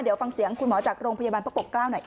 เดี๋ยวฟังเสียงคุณหมอจากโรงพยาบาลพระปกเกล้าหน่อยค่ะ